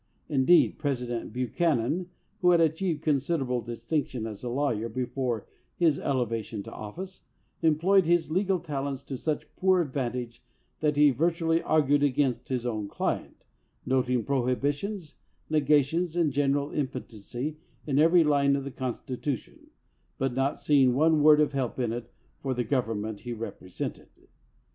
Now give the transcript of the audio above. Indeed, President Buchanan, who had achieved consid erable distinction as a lawyer before his elevation to office, employed his legal talents to such poor advantage that he virtually argued against his own client, noting prohibitions, negations, and general impotency in every line of the Constitu tion, but not seeing one word of help in it for the government he represented.